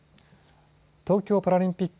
東京パラリンピック